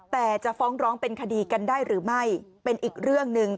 แต่จะฟ้องร้องเป็นคดีกันได้หรือไม่เป็นอีกเรื่องหนึ่ง